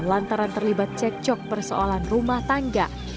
lantaran terlibat cek cok persoalan rumah tangga